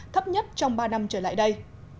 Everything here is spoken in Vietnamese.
thấp nhất trong ba năm trở lại đây